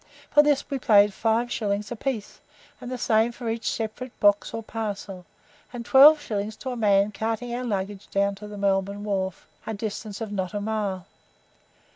For this we paid five shillings a piece, and the same for each separate box or parcel, and twelve shillings to a man for carting our luggage down to the Melbourne wharf, a distance of not a mile.